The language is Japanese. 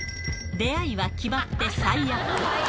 出会いは決まって最悪。